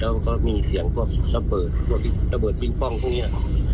แล้วเขามีเสียงว่าปราบเบิร์ดพิงปองตรงนี้